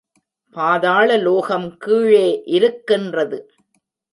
பாதாள லோகம் கீழே இருக்கின்றது.